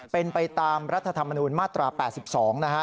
เป็นไปตามรัฐธรรมนูญมาตรา๘๒นะฮะ